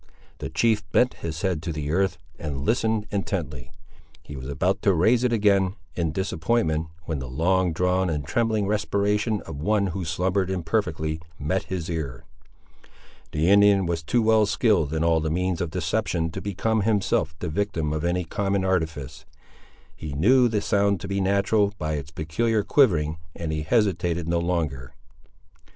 The chief bent his head to the earth, and listened intently. He was about to raise it again, in disappointment, when the long drawn and trembling respiration of one who slumbered imperfectly met his ear. The Indian was too well skilled in all the means of deception to become himself the victim of any common artifice. He knew the sound to be natural, by its peculiar quivering, and he hesitated no longer.